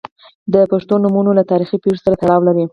• د پښتو نومونه له تاریخي پیښو سره تړاو لري.